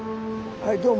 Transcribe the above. はいどうも。